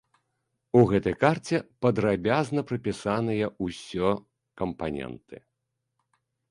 У гэтай карце падрабязна прапісаныя ўсё кампаненты.